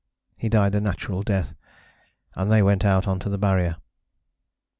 He died a natural death and they went out on to the Barrier.